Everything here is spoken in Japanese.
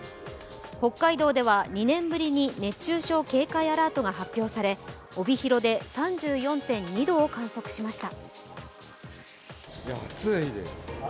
北海道では、２年ぶりに熱中症警戒アラートが発表され帯広で３４．２度を観測しました。